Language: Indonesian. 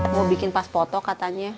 mau bikin pas foto katanya